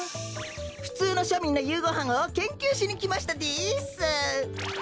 ふつうのしょみんのゆうごはんをけんきゅうしにきましたです！